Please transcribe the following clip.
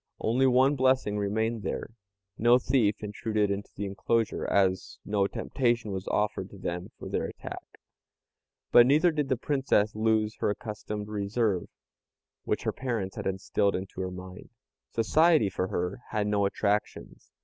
Only one blessing remained there no thief intruded into the enclosure, as no temptation was offered to them for their attack. But never did the Princess lose her accustomed reserve, which her parents had instilled into her mind. Society for her had no attractions.